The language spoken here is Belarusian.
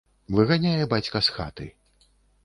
Выганяе бацька з хаты.